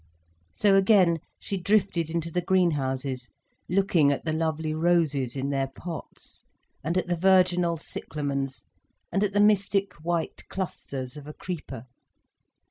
So again she drifted into the green houses, looking at the lovely roses in their pots, and at the virginal cyclamens, and at the mystic white clusters of a creeper.